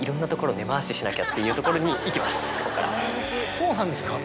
そうなんですか。